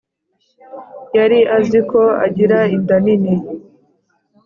yari azi ko agira inda nini